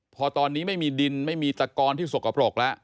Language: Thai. พอตอนนี้ไม่มีดินไม่มีตะกอนที่สกปรกแล้ว